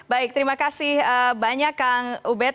baik terima kasih banyak kang ubed